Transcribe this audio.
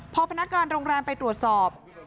พอพนักงานโรงแรมไปตรวจสอบ